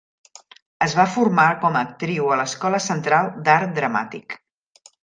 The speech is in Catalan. Es va formar com a actriu a l'Escola Central d'Art Dramàtic.